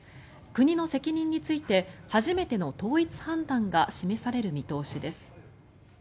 国の責任について初めての統一判断が示される見通しです。